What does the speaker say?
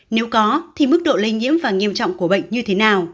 nếu có thì mức độ lây nhiễm và nghiêm trọng của bệnh như thế nào